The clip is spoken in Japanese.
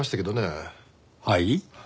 はい？